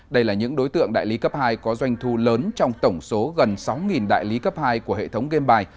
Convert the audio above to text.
đây là những đối tượng đại lý cấp hai có doanh thu lớn trong tổng số gần sáu đại lý cấp hai của hệ thống game bài